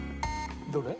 どれ？